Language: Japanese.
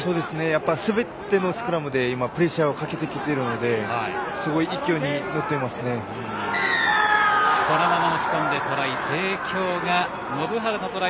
すべてのスクラムでプレッシャーをかけてきてるのでこのまま押し込んでトライ。